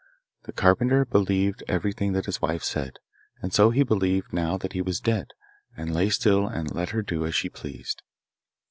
The carpenter believed everything that his wife said, and so he believed now that he was dead, and lay still and let her do as she pleased.